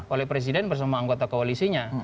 oleh presiden bersama anggota koalisinya